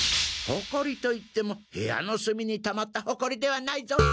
ほこりと言っても部屋のすみにたまったほこりではないぞ。